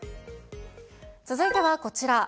続いてはこちら。